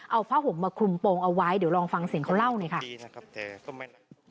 เอาผ้าหงค์มาคลุมปลงเอาไว้เดี๋ยวลองฟังเสียงเขาเล่า